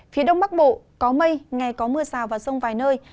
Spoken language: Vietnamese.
phía đông bắc bộ có mây ngày có mưa rào và rông vài nơi